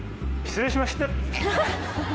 失礼しました。